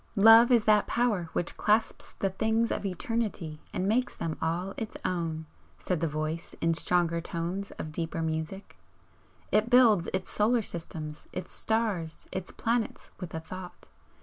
"Love is that Power which clasps the things of eternity and makes them all its own," said the Voice in stronger tones of deeper music "It builds its solar system, its stars, its planets with a thought!